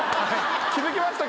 気付きましたかね？